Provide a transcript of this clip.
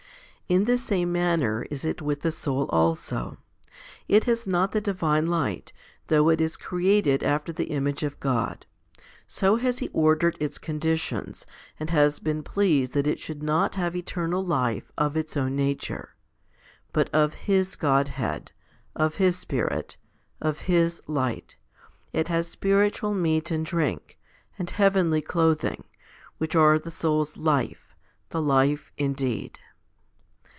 In the same manner is it with the soul also. It has not the divine light, though it is created after the image of God. So has He ordered its conditions, and has been pleased that it should not have eternal life of its own nature ; but of His Godhead, of His Spirit, of His light, it has spiritual meat and drink, and heavenly clothing, which are the soul's life, the life indeed.